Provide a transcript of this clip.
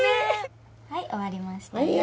はい終わりましたよ